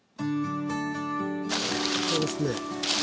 これですね。